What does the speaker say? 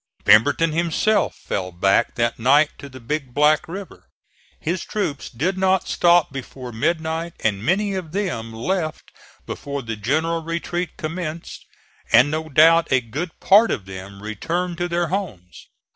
Pemberton himself fell back that night to the Big Black River. His troops did not stop before midnight and many of them left before the general retreat commenced, and no doubt a good part of them returned to their homes.